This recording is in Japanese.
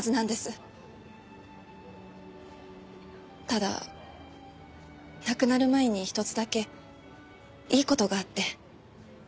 ただ亡くなる前に一つだけいい事があって。